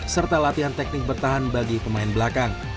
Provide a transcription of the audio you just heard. serta latihan teknik bertahan bagi pemain belakang